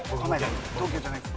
東京じゃないですよ。